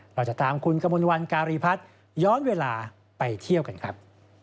เราจะตามคุณกมลวันการีพัฒน์ย้อนเวลาไปเที่ยวกันครับ